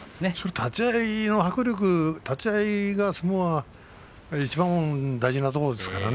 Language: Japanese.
立ち合いの迫力立ち合いがいちばん大事なところですからね。